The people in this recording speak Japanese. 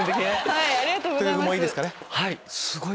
はい。